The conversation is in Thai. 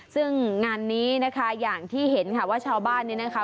ซึ่งงานนี้นะคะอย่างที่เห็นค่ะว่าชาวบ้านเนี่ยนะคะ